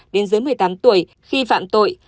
đến dưới một mươi tám tuổi khi phạm tội